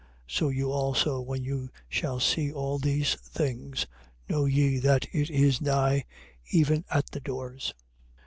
24:33. So you also, when you shall see all these things, know ye that it is nigh, even at the doors.